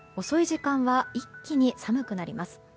時間は一気に寒くなります。